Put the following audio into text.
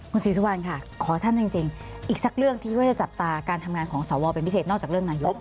คุณศรีสุวรรณค่ะขอสั้นจริงอีกสักเรื่องที่ว่าจะจับตาการทำงานของสวเป็นพิเศษนอกจากเรื่องนายก